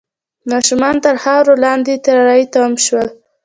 ماشومان تر خاورو لاندې تري تم شول